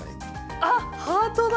あっハートだ！